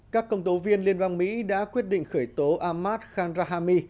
các công tố viên liên bang mỹ đã quyết định khởi tố ahmad khan rahami